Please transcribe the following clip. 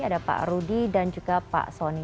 ada pak rudi dan juga pak soni